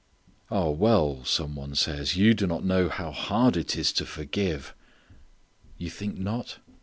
"Oh, well," some one says, "you do not know how hard it is to forgive." You think not?